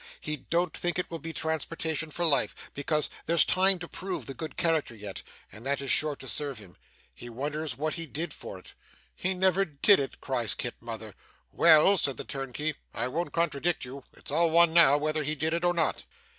He don't think it will be transportation for life, because there's time to prove the good character yet, and that is sure to serve him. He wonders what he did it for. 'He never did it!' cries Kit's mother. 'Well,' says the turnkey, 'I won't contradict you. It's all one, now, whether he did it or not.